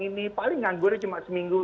ini paling nganggurnya cuma seminggu